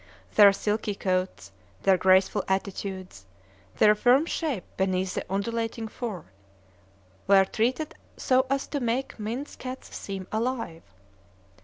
Their silky coats, their graceful attitudes, their firm shape beneath the undulating fur, were treated so as to make Mind's cats seem alive.